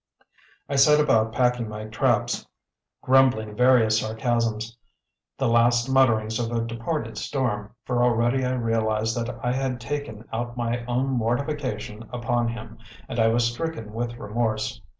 I set about packing my traps, grumbling various sarcasms, the last mutterings of a departed storm, for already I realised that I had taken out my own mortification upon him, and I was stricken with remorse.